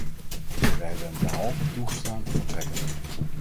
Wij hebben hem derhalve toegestaan te vertrekken.